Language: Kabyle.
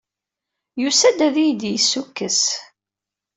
Yusa-d ad iyi-d-yessukkes.